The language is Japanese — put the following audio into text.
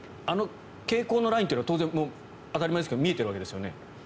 あの蛍光のラインというのは当たり前ですけど見えているわけですよね？